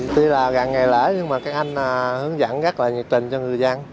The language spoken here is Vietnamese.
tuy là gần ngày lễ nhưng các anh hướng dẫn rất nhiệt tình cho người dân